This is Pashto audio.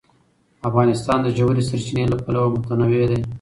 افغانستان د ژورې سرچینې له پلوه متنوع دی.